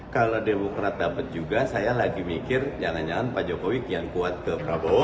kalau demokrat dapat juga saya lagi mikir jangan jangan pak jokowi kian kuat ke prabowo